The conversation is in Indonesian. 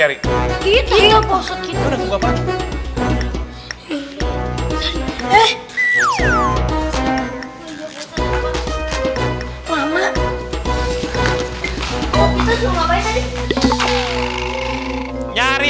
jadi siapa yang nyari